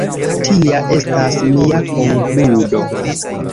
Tia estas mia konkludo.